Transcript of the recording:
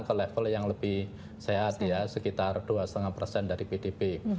ke level yang lebih sehat ya sekitar dua lima persen dari pdp